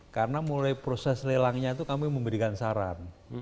karena mulai proses lelangnya itu kami memberikan saran